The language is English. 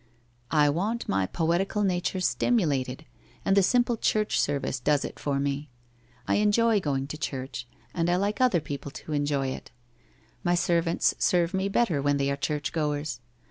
I I want my poetical nature stimulated, and the simple church service does it for me. I enjoy going to church, and I like other people to enjoy it. My servants serve me better when they are churchgoers.